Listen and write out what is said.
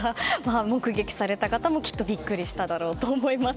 目撃されたこともきっとビックリしただろうと思います。